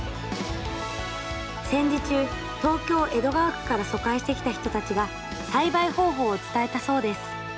戦時中、東京・江戸川区から疎開してきた人たちが栽培方法を伝えたそうです。